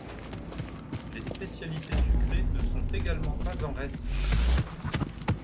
Les spécialités sucrées ne sont également pas en reste.